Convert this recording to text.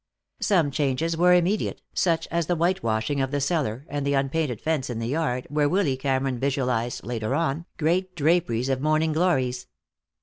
Some changes were immediate, such as the white washing of the cellar and the unpainted fence in the yard, where Willy Cameron visualized, later on, great draperies of morning glories.